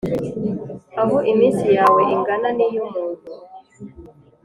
aho iminsi yawe ingana n’iy’umuntu,